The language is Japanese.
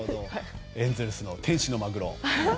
エンゼルスの天使のマグロ。